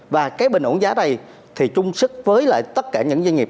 và cái bình ổn giá này thì chung sức với lại tất cả những doanh nghiệp